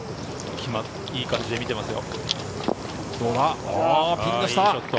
いい感じで見ていますよ。